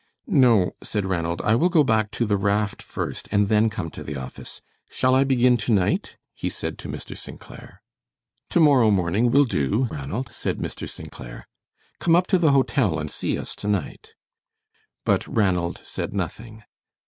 "No," said Ranald; "I will go back to the raft first, and then come to the office. Shall I begin tonight?" he said to Mr. St. Clair. "To morrow morning will do, Ranald," said Mr. St. Clair. "Come up to the hotel and see us tonight." But Ranald said nothing.